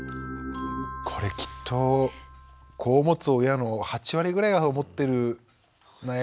これきっと子を持つ親の８割ぐらいは思ってる悩みかもしれませんよね。